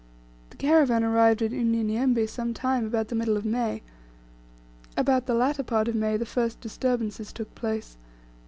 The caravan arrived in Unyanyembe some time about the middle of May. About the latter part of May the first disturbances took place.